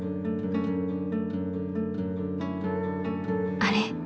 あれ？